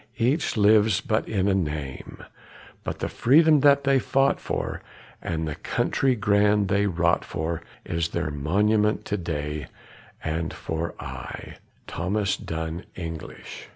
each lives but in a name; But the freedom that they fought for, and the country grand they wrought for, Is their monument to day, and for aye. THOMAS DUNN ENGLISH.